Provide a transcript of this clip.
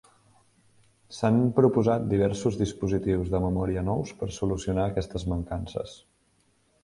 S'han proposat diversos dispositius de memòria nous per solucionar aquestes mancances.